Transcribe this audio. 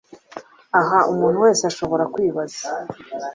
Aha muntu wese ashobora kwibaza